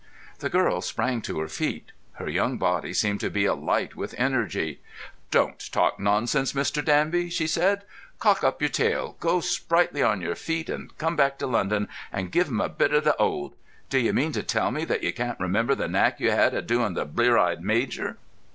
The girl sprang to her feet. Her young body seemed to be alight with energy. "Don't talk nonsense, Mr. Danby!" she said. "Cock up your tail, go springy on your feet, and come back to London, and give 'em a bit of the old. D'you mean to tell me that you can't remember the knack you had of doing the blear eyed major?"